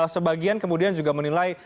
sebagian kemudian juga menilai